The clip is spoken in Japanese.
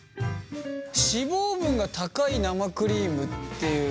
脂肪分が高い生クリームっていうのが？